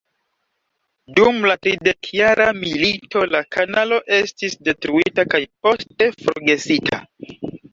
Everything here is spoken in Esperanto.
Dum la tridekjara milito la kanalo estis detruita kaj poste forgesita.